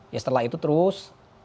ya setelah itu terus